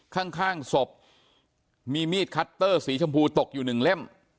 ข้างศพมีมีดคัตเตอร์สีชมพูตกอยู่หนึ่งเล่ม